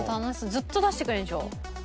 ずっと出してくれるんでしょ？